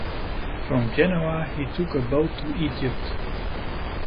From Genoa he took a boat to Egypt.